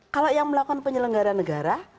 kalau yang melakukan penyelenggara negara